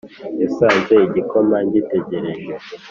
yasanze igikoma gitegereje